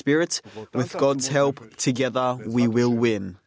bantuan tuhan kita akan menang